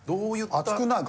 熱くないか？